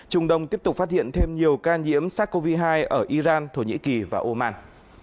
trung đông tiếp tục phát hiện thêm nhiều ca nhiễm sars cov hai ở iran thổ nhĩ kỳ và oman